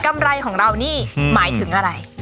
ไรของเรานี่หมายถึงอะไร